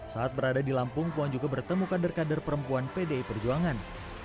saat berada di lampung puan juga bertemu kader kader perempuan pdi perjuangan